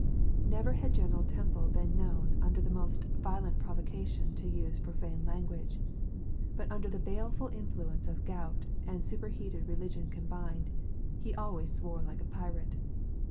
Never had General Temple been known under the most violent provocation to use profane language; but under the baleful influence of gout and superheated religion combined, he always swore like a pirate.